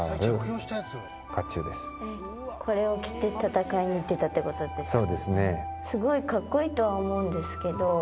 これを着て戦いに行ってたってことですよね。